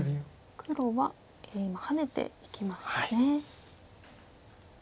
黒は今ハネていきましたね。